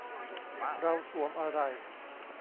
เราสวมอะไร